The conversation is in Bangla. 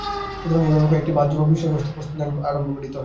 সুতরাং এইভাবে কয়েকটি বাহ্য বা বিষয়গত বস্তু লইয়া ধ্যান আরম্ভ করিতে হয়।